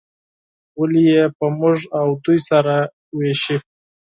ولې یې په موږ او دوی سره ویشي.